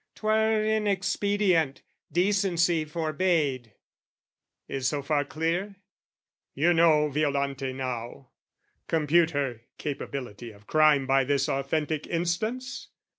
'Twere inexpedient; decency forbade. Is so far clear? You know Violante now, Compute her capability of crime By this authentic instance?